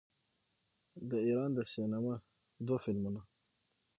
د ایران د سینما دوه فلمونه